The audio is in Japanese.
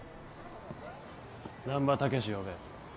難破猛呼べ。